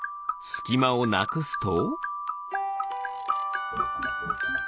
すきまをなくすと。